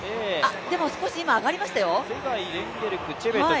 でも、少し、今、上がりましたよ。